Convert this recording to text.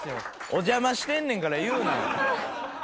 お邪魔してんねんから言うなよ。